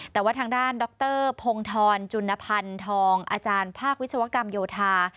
แต่ว่าทางด้านดรพงธรจุนพันธ์ทองอาจารย์ภาควิศวกรรมโยธา